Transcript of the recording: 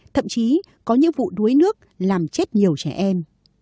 thậm chí có những vụ đuối nước làm chết nhiều trẻ em